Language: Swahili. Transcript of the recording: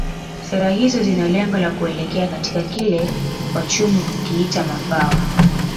Sera hizo zina lengo la kuelekea katika kile wachumi hukiita mafao